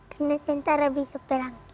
karena tentara bisa perang